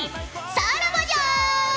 さらばじゃ！